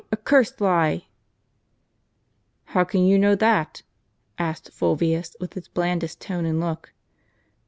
a cursed lie !" "How can you know that?" asked Fulvius, with his blandest tone and look.